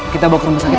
kita bawa ke rumah kita